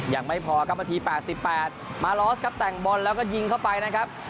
ยังไม่พอครับนาที๘๘มาลอสครับแต่งบอลแล้วก็ยิงเข้าไปนะครับ